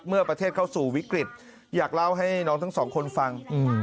เมื่อประเทศเข้าสู่วิกฤตอยากเล่าให้น้องทั้งสองคนฟัง